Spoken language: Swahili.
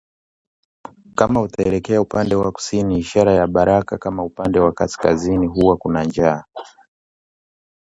Kama utaelekea upande wa kusini ishara ya baraka kama upande wa kaskazini huwa kuna njaa